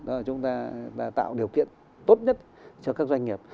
đó là chúng ta tạo điều kiện tốt nhất cho các doanh nghiệp